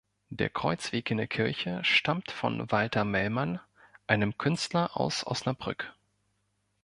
Der Kreuzweg in der Kirche stammt von Walter Mellmann, einem Künstler aus Osnabrück.